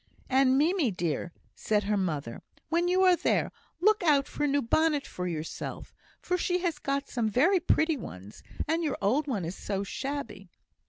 "And, Mimie, dear," said her mother, "when you are there, look out for a new bonnet for yourself; she has got some very pretty ones, and your old one is so shabby."